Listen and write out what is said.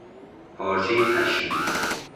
پارچهی پشمی